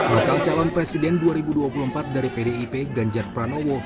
bakal calon presiden dua ribu dua puluh empat dari pdip ganjar pranowo